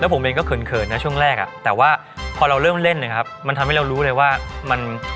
ผมเองก็เขินนะช่วงแรกอ่ะแต่ว่าพอเราเริ่มเล่นนะครับมันทำให้เรารู้เลยว่ามัน